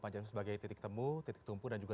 pancasila sebagai titik temu titik tumpu dan juga